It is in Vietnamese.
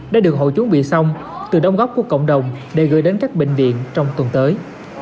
đã được hội chuẩn bị xong từ đồng góp của cộng đồng để gửi đến các bệnh viện trong tuần tới